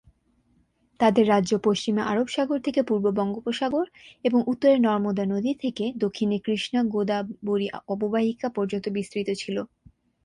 তাদের রাজ্য পশ্চিমে আরব সাগর থেকে পূর্ব বঙ্গোপসাগর এবং উত্তরে নর্মদা নদী থেকে দক্ষিণে কৃষ্ণা-গোদাবরী অববাহিকা পর্যন্ত বিস্তৃত ছিল।